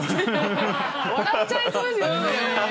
笑っちゃいそうですよね。